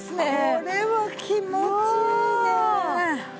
これは気持ちいいね。